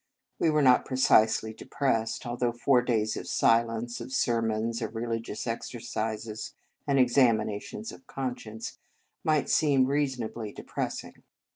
We were not pre cisely depressed, although four days of silence, of sermons, of " religious exercises," and examinations of con science, might seem reasonably de pressing.